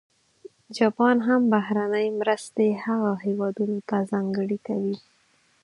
جاپان هم بهرنۍ مرستې هغه هېوادونه ته ځانګړې کوي.